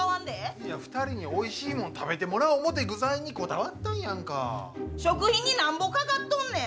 いや、２人においしいもん食べてもらおう思って、具材にこだ食費になんぼかかっとんねん。